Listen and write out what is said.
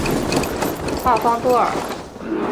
奥方多尔。